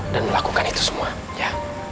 dan melakukan itu semua ya